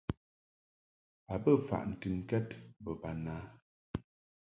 A bə faʼ ntɨnkɛd mbo bana.